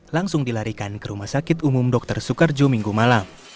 langsung dilarikan ke rumah sakit umum dr soekarjo minggu malam